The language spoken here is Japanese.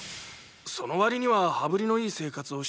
そのわりには羽振りのいい生活をしていてね